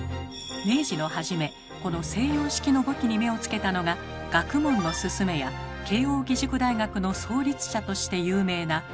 明治の初めこの西洋式の簿記に目をつけたのが「学問のすすめ」や慶應義塾大学の創立者として有名な福沢諭吉。